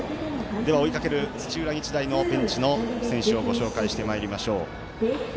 追いかける土浦日大のベンチの選手をご紹介してまいりましょう。